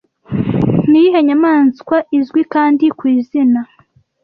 Ni iyihe nyamaswa izwi kandi ku izina